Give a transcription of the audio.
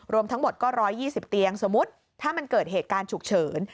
รวมทั้งหมดก็๑๒๐เตียงสมมุติถ้ามันเกิดเหตุการณ์ฉุกเฉิน